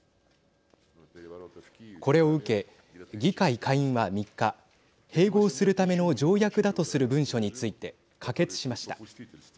これを受け、議会下院は３日併合するための条約だとする文書について可決しました。